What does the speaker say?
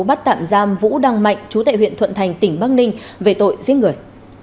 bắt tạm giam vũ đăng mạnh chú tại huyện thuận thành tỉnh bắc ninh về tội giết người